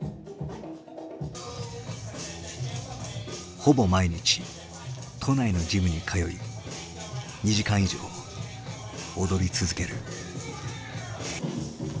ほぼ毎日都内のジムに通い２時間以上踊り続ける。